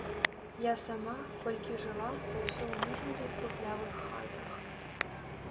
Я сама, колькі жыла, то ўсё ў нізенькіх трухлявых хатах.